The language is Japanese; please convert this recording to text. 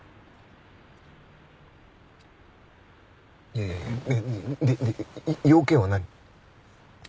いやいやで用件は何？